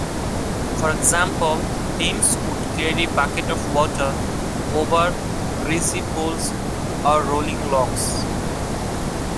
For example, teams would carry buckets of water over greasy poles or rolling logs.